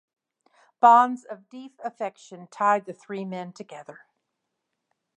Bonds of deep affection tied the three men together.